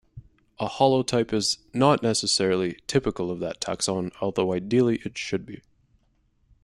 A holotype is not necessarily "typical" of that taxon, although ideally it should be.